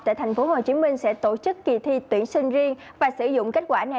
tại tp hcm sẽ tổ chức kỳ thi tuyển sinh riêng và sử dụng kết quả này